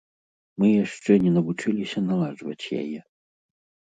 Мы яшчэ не навучыліся наладжваць яе.